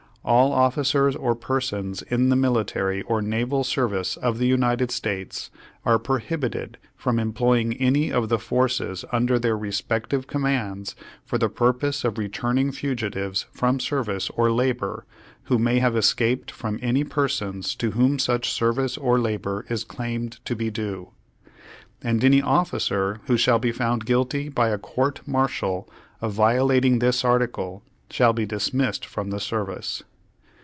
All officers or persons in the military or naval service of the United States are prohibited from employing any of the forces under their respective commands for the purpose of re turning fugitives from service or labor who may have escaped from any persons to whom such service or labor is claimed to be due; and any officer who shall be found guilty by a court martial of violating this article shall be dismissed from the service.